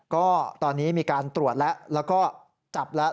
ก็ตอนนี้มีการตรวจแล้วแล้วก็จับแล้ว